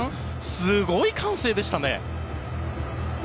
すごい歓声でしたね。